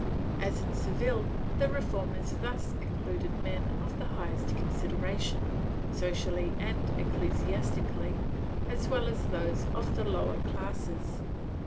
As in Seville, the reformers thus included men of the highest consideration, socially and ecclesiastically, as well as those of the lower classes.